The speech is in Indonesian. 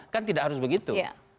kan tidak harus begitu